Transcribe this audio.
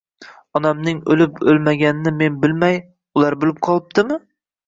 Onangning o'lib-o'lmaganini men bilmay, ular bilib qolibdimi?